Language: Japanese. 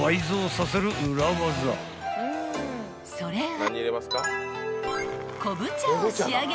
［それは］